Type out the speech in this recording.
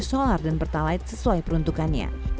solar dan per talen sesuai peruntukannya